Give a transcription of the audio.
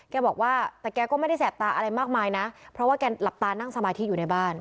แกบอกว่าแต่แกก็ไม่ได้แสบตาอะไรมากมายนะเพราะว่าแกหลับตานั่งสมาธิอยู่ในบ้าน